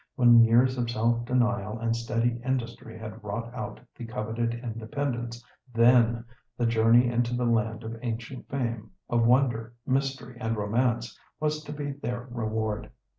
When years of self denial and steady industry had wrought out the coveted independence, then the journey into the land of ancient fame, of wonder, mystery, and romance, was to be their reward.